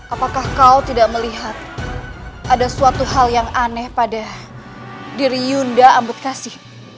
apakah kau tidak melihat ada suatu hal yang aneh pada diri yunda ambut kasih